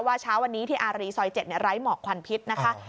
เช้าวันนี้ที่อารีซอย๗ไร้หมอกควันพิษนะคะ